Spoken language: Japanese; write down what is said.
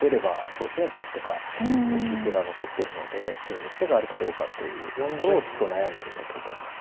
そうですねこっちとか大きい手が残ってるので手を抜く手があるかどうかというところをちょっと悩んでるんだと思います。